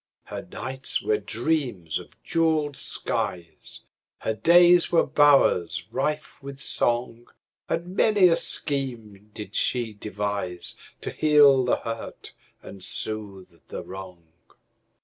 Her nights were dreams of jeweled skies, Her days were bowers rife with song, And many a scheme did she deviseTo heal the hurt and soothe the wrong.